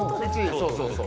そうそうそう。